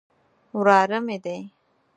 وراره مې دی.